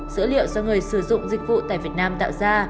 dữ liệu do người sử dụng dịch vụ tại việt nam tạo ra